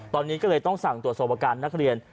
ตอนนี้ก็เลยต้องสั่งตรวจสอบอาการนักเรียน